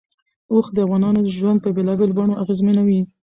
اوښ د افغانانو ژوند په بېلابېلو بڼو اغېزمنوي.